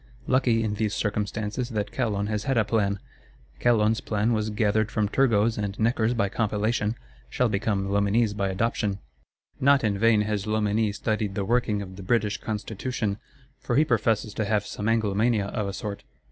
Lucky, in these circumstances, that Calonne has had a plan! Calonne's plan was gathered from Turgot's and Necker's by compilation; shall become Loménie's by adoption. Not in vain has Loménie studied the working of the British Constitution; for he professes to have some Anglomania, of a sort.